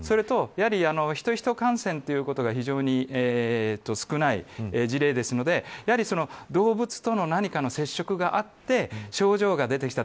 それと、やはりヒトヒト感染ということが非常に少ない事例ですので、やはり動物との何かの接触があって症状が出てきた。